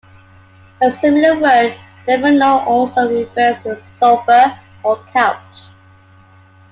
A similar word, Daveno, also refers to a sofa or couch.